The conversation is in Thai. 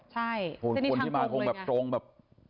ใช่เซ่นนี้ทางตรงเลยนะ